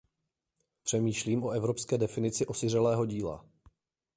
Přemýšlím o evropské definici osiřelého díla.